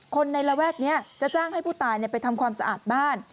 ในระแวกนี้จะจ้างให้ผู้ตายไปทำความสะอาดบ้าน